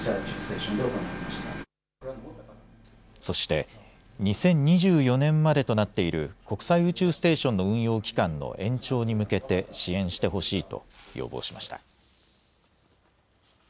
そして２０２４年までとなっている国際宇宙ステーションの運用期間の延長に向けて支援してほしいと要望しました。